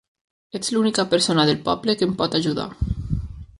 Ets l'única persona del poble que em pot ajudar.